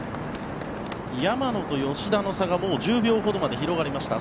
山野と吉田の差が１０秒ほどまで広がりました。